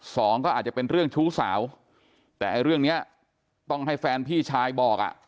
สองก็อาจจะเป็นเรื่องชู้สาวแต่ไอ้เรื่องเนี้ยต้องให้แฟนพี่ชายบอกอ่ะ